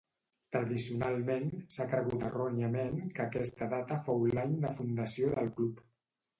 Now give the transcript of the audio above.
Tradicionalment, s'ha cregut erròniament que aquesta data fou l'any de fundació del club.